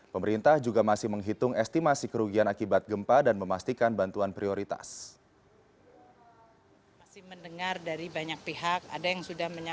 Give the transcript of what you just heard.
pemerintah juga masih menghitung estimasi kerugian akibat gempa dan memastikan bantuan prioritas